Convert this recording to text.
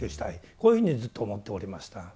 こういうふうにずっと思っておりました。